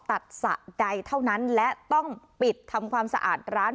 สระใดเท่านั้นและต้องปิดทำความสะอาดร้าน